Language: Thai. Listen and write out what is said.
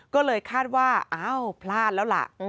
ก็เลยคาดว่าอ้าวพลาดแล้วล่ะ